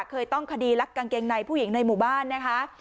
เคยต้องคดีลักกางเกงในผู้หญิงในหมู่บ้านนะคะ